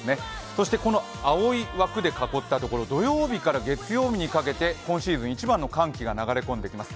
そして青い枠で囲ったところ土曜日から月曜日にかけて今シーズン一番の寒気が流れ込んできます。